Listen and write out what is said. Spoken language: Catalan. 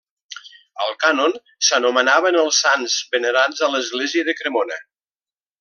Al cànon s'anomenaven els sants venerats a l'església de Cremona.